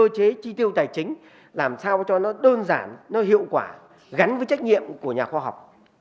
cơ chế chi tiêu tài chính làm sao cho nó đơn giản nó hiệu quả gắn với trách nhiệm của nhà khoa học